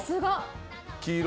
黄色。